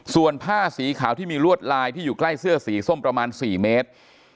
ส่วนผ้าสีขาวที่มีลวดลายที่อยู่ใกล้เสื้อสีส้มประมาณ๔เมตร